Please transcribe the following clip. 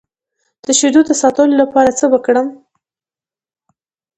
د شیدو د ساتلو لپاره څه وکړم؟